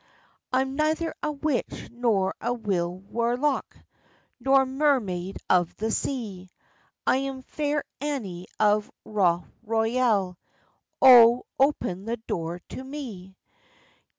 "I am neither a witch nor a wile warlock, Nor mer maid of the sea, I am Fair Annie of Rough Royal; O open the door to me."